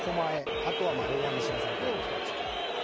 あとは大網白里で起きた事件であると。